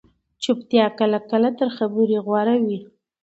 چُپتیا کله کله تر خبرې غوره وي